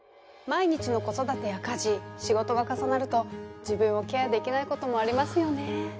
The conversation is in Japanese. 毎日の子育てや家事仕事が重なると自分をケア出来ていないこともありますよね